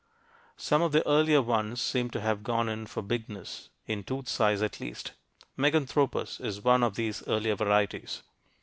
Some of the earlier ones seem to have gone in for bigness, in tooth size at least. Meganthropus is one of these earlier varieties.